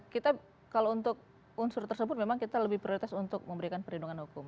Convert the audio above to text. kita kalau untuk unsur tersebut memang kita lebih prioritas untuk memberikan perlindungan hukum